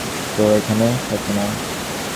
মুনির চাপা গলায় বলল, বেশিক্ষণ তো এখানে থাকি না।